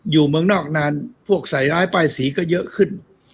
อยู่เมืองนอกนานพวกใส่ร้ายป้ายสีก็เยอะขึ้น